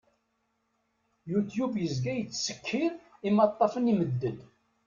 Youtube yezga yettsekkiṛ imaṭṭafen i medden.